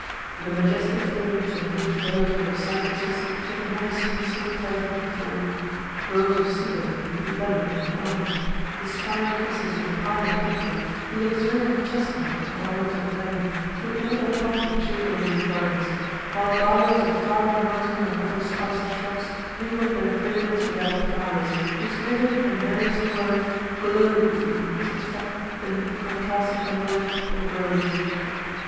The majestic forms and rich verdure of cypresses she had never seen so perfect before: groves of cedar, lemon, and orange, the spiry clusters of the pine and poplar, the luxuriant chesnut and oriental plane, threw all their pomp of shade over these gardens; while bowers of flowering myrtle and other spicy shrubs mingled their fragrance with that of flowers, whose vivid and various colouring glowed with increased effect beneath the contrasted umbrage of the groves.